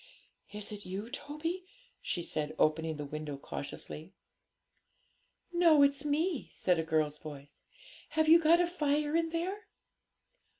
'Is it you, Toby?' she said, opening the window cautiously. 'No, it's me,' said a girl's voice. 'Have you got a fire in there?'